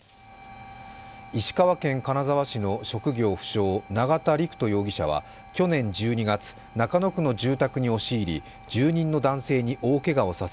石川県金沢市の職業不詳、永田陸人容疑者は去年１２月、中野区の住宅に押し入り住人の男性に大けがをさせ